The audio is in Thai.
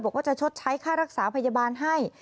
บอกว่าจะชดใช้ค่ารักษาพยาบาลให้